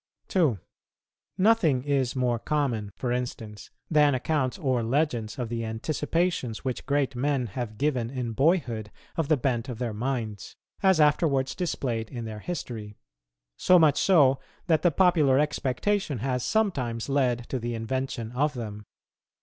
2. Nothing is more common, for instance, than accounts or legends of the anticipations, which great men have given in boyhood of the bent of their minds, as afterwards displayed in their history; so much so that the popular expectation has sometimes led to the invention of them.